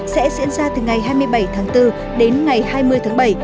sẽ diễn ra từ ngày hai mươi bảy tháng bốn đến ngày hai mươi tháng bảy